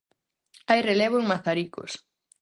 Hai relevo en Mazaricos.